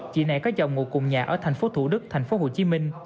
chị này có chồng ngồi cùng nhà ở tp thủ đức tp hcm